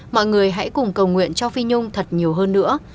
mọi người hãy cùng cầu nguyện cho phi nhung thật nhiều hơn nữa